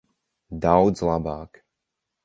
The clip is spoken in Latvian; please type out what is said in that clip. Daudz labāk.